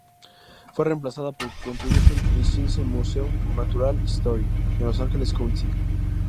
Fue reemplazada por "Contributions in Science, Museum of Natural History" en Los Angeles County.